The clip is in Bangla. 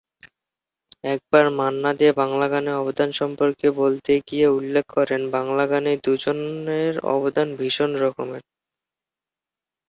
একবার মান্না দে বাংলা গানে অবদান সম্পর্কে বলতে গিয়ে উল্লেখ করেন, বাংলা গানে দুজনের অবদান ভীষণ রকমের।